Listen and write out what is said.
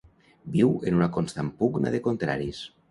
Viu en una constant pugna de contraris.